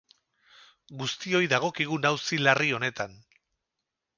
Guztioi dagokigun auzi larri honetan.